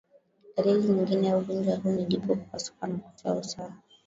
Dalili nyingine ya ugonjwa huu ni jipu kupasuka na kutoa usaha